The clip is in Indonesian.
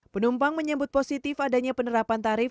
penumpang menyebut positif adanya penerapan tarif